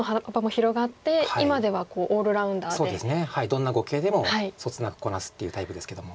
どんな碁形でもそつなくこなすっていうタイプですけども。